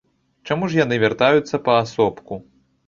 Чаму ж яны вяртаюцца паасобку?